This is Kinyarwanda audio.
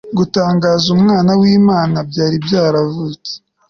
gutangaza umwana wimana byari byaravutse